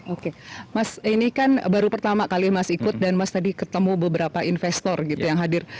oke mas ini kan baru pertama kali mas ikut dan mas tadi ketemu beberapa investor gitu yang hadir